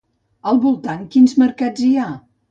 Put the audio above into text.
Al voltant quins mercats hi ha?